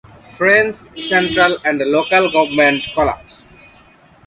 French central and local government collapsed.